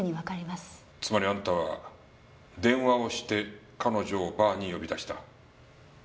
つまりあなたは電話をして彼女をバーに呼び出した。